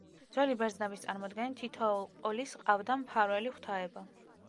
ძველი ბერძნების წარმოდგენით თითოეულ პოლისს ჰყავდა მფარველი ღვთაება.